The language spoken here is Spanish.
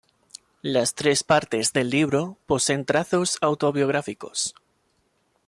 Las tres partes del libro poseen trazos autobiográficos.